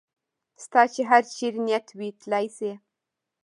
ستا چې هر چېرې نیت وي تلای شې.